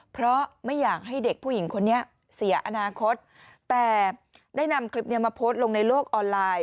เพราะไม่อยากให้เด็กผู้หญิงคนนี้เสียอนาคตแต่ได้นำคลิปนี้มาโพสต์ลงในโลกออนไลน์